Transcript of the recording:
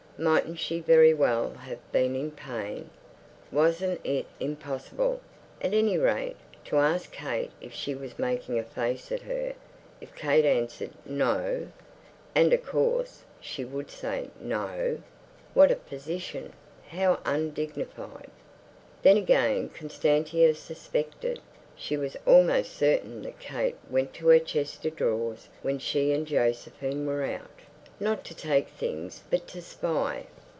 Mightn't she very well have been in pain? Wasn't it impossible, at any rate, to ask Kate if she was making a face at her? If Kate answered "No"—and, of course, she would say "No"—what a position! How undignified! Then again Constantia suspected, she was almost certain that Kate went to her chest of drawers when she and Josephine were out, not to take things but to spy.